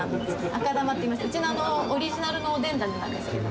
赤玉といいましてうちのオリジナルのおでんだねなんですけれども。